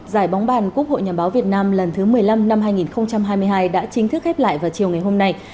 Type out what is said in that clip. giải bóng bàn quốc hội nhà báo việt nam lần thứ một mươi năm năm hai nghìn hai mươi hai đã chính thức khép lại vào chiều ngày hôm nay